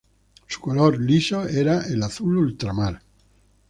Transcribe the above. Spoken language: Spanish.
Su color liso es el azul ultramar.